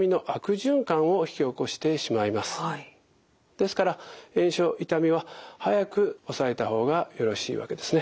ですから炎症痛みは早く抑えた方がよろしいわけですね。